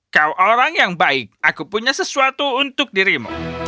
kau orang yang baik aku punya sesuatu untuk dirimu